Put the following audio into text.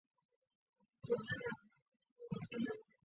大部分的人认为建商偷工减料是导致大楼坍塌原因之一。